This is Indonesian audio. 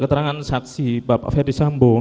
keterangan saksi bapak ferdisambo